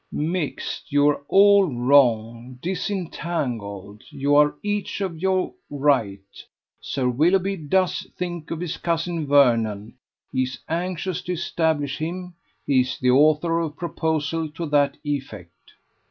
"Mixed, you are all wrong. Disentangled, you are each of you right. Sir Willoughby does think of his cousin Vernon; he is anxious to establish him; he is the author of a proposal to that effect."